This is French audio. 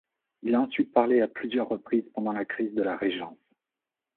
Il a ensuite parlé à plusieurs reprises pendant la crise de la Régence.